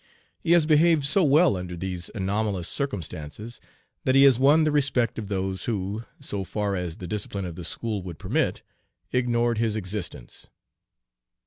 He has behaved so well under these anomalous circumstances, that he has won the respect of those who, so far as the discipline of the school would permit, ignored his existence.